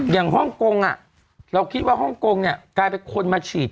อย่างฮ่องคงเราคิดว่าฮ่องคงกลายเป็นคนมาฉีด